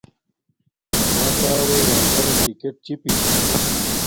اما کارو راکانا ٹکٹ چپی چھا